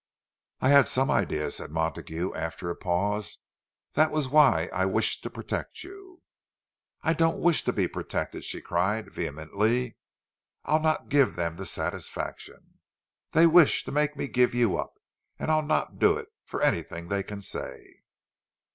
"I had some idea," said Montague, after a pause.—"That was why I wished to protect you." "I don't wish to be protected!" she cried, vehemently. "I'll not give them the satisfaction. They wish to make me give you up, and I'll not do it, for anything they can say!"